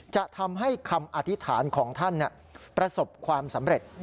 จะทำให้คำอธิษฐานของท่านประสบความสำเร็จ